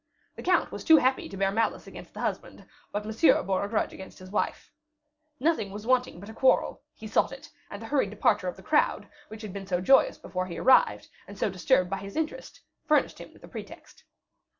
The count was too happy to bear malice against the husband; but Monsieur bore a grudge against his wife. Nothing was wanting but a quarrel; he sought it, and the hurried departure of the crowd, which had been so joyous before he arrived, and was so disturbed by his entrance, furnished him with a pretext.